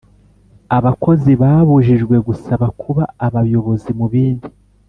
Abakozi babujijwe gusaba kuba abayobozi mu bindi